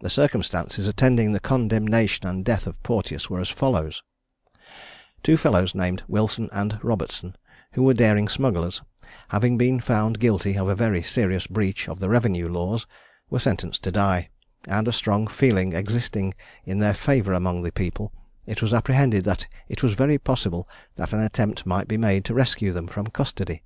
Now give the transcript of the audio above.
The circumstances attending the condemnation and death of Porteous were as follows: Two fellows named Wilson and Robertson, who were daring smugglers, having been found guilty of a very serious breach of the revenue laws, were sentenced to die; and a strong feeling existing in their favour among the people, it was apprehended that it was very possible that an attempt might be made to rescue them from custody.